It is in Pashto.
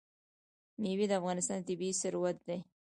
مېوې د افغانستان طبعي ثروت دی.